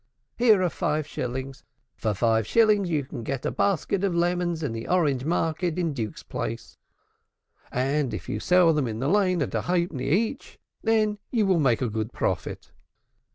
Here are five shillings. For five shillings you can get a basket of lemons in the Orange Market in Duke's Place, and if you sell them in the Lane at a halfpenny each, you will make a good profit.